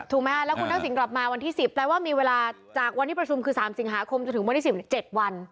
แล้วคุณทักษิณกลับมาวันที่๑๐แปลว่ามีเวลาจากวันที่ประชุมคือ๓สิงหาคมจนถึงวันที่๑๐๗วัน